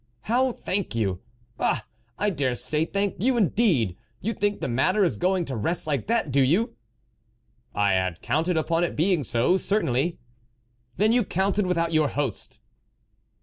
" How, thank you ? Ah ! I dare say ! thank you, indeed ! You think the matter is going to rest like that, do you ?"" I had counted upon it being so, cer tainly." " Then you counted without your host."